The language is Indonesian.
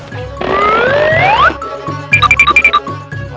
lari keluar pondok